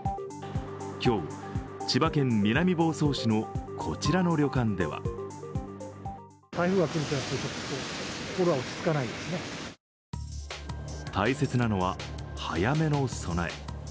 今日、千葉県南房総市のこちらの旅館では大切なのは、早めの備え。